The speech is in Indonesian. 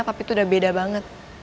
papi tuh udah beda banget